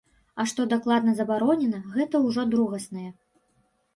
А што дакладна забаронена, гэта ўжо другаснае.